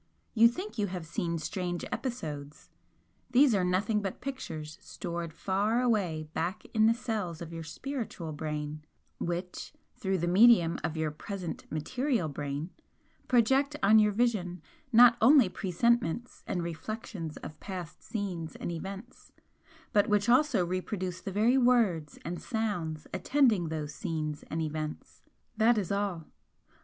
You think you have seen strange episodes these are nothing but pictures stored far away back in the cells of your spiritual brain, which (through the medium of your present material brain) project on your vision not only presentments and reflections of past scenes and events, but which also reproduce the very words and sounds attending those scenes and events. That is all.